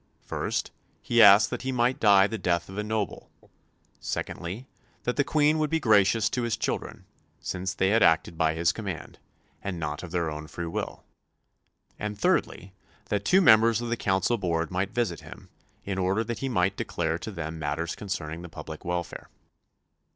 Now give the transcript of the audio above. First, he asked that he might die the death of a noble; secondly, that the Queen would be gracious to his children, since they had acted by his command, and not of their own free will; and thirdly, that two members of the Council Board might visit him, in order that he might declare to them matters concerning the public welfare.